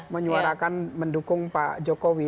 menyuarakan mendukung pak jokowi